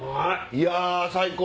いや最高！